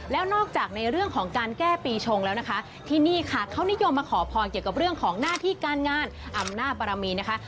แล้วนอกจากในเรื่องของการแก้ปีชงแล้วนะคะที่นี่ค่ะเขานิยมมาขอพรเกี่ยวกับเรื่องของหน้าที่การงานอำนาจบารมีนะคะ